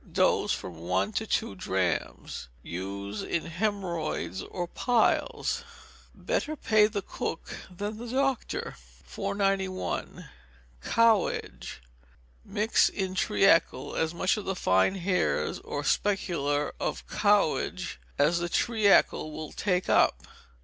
Dose, from one to two drachms. Use in haemorrhoids, or piles. [BETTER PAY THE COOK THAN THE DOCTOR.] 491. Cowhage. Mix in treacle as much of the fine hairs or spiculæ of cowhage as the treacle will take up.